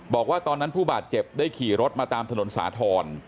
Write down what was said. บอกว่าตอนนั้นผู้บาดเจ็บได้ขี่รถมาตามถนนสาธรณ์